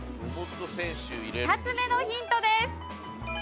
２つ目のヒントです。